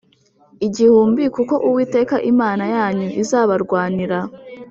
igihumbi kuko Uwiteka Imana yanyu izabarwanira